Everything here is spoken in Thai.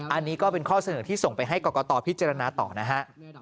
อันนี้ก็เป็นข้อเสนอที่ส่งไปให้กรกตพิจารณาต่อนะฮะ